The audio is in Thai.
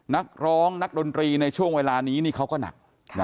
นักร้องนักดนตรีในช่วงเวลานี้นี่เขาก็หนัก